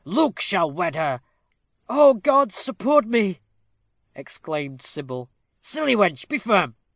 Luke shall wed her." "Oh God, support me!" exclaimed Sybil. "Silly wench, be firm.